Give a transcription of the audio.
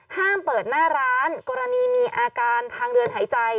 ห้ามเปิดหน้าร้านกรณีมีอาการทางเดินหายใจ